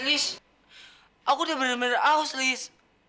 kalau dia memintakan many sheikh karneel